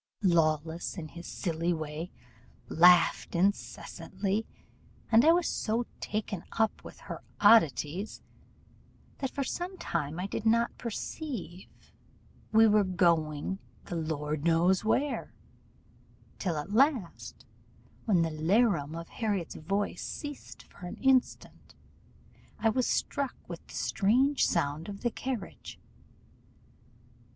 Lawless, in his silly way, laughed incessantly, and I was so taken up with her oddities, that, for some time, I did not perceive we were going the Lord knows where; till, at last, when the 'larum of Harriot's voice ceased for an instant, I was struck with the strange sound of the carriage.